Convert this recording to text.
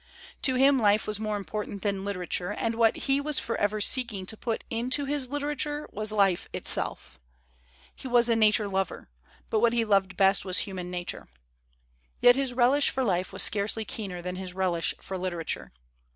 To him life was more important than litera ture, and what he was forever seeking to put into his literature was life itself. He was a na ture lover, but what he loved best was human nature. Yet his relish for life was scarcely keener than his relish for literature.